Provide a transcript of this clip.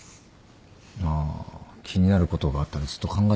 まあ気になることがあったらずっと考えてますけど。